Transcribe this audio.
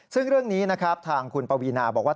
ซึ่งเรื่องนี้นะครับทางคุณปวีนาบอกว่า